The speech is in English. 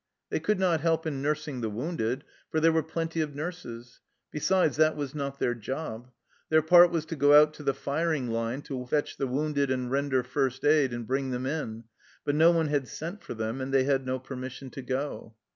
They could not help in nursing the wounded, for there were plenty of nurses besides, that was not their job ; their part was to go out to the firing line to fetch the wounded and render first aid, and bring them in, but no one had sent for them and they had no permission to go.